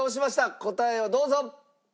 答えをどうぞ。